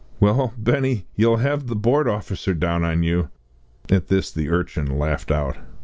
"Well, Benny, you'll have the Board officer down on you." At this the urchin laughed out.